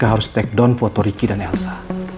harus take down foto ricky dan elsa